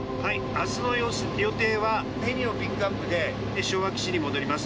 明日の予定はヘリをピックアップで昭和基地に戻ります。